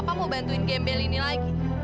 apa mau bantuin gembel ini lagi